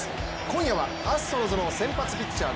今夜はアストロズの先発ピッチャー